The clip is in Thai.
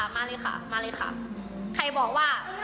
มาเลยค่ะมาเลยค่ะใครบอกว่า